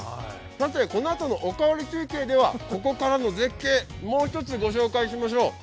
このあとの「おかわり中継」ではここからの絶景、もう一つご紹介しましょう。